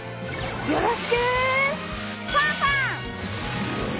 よろしくファンファン！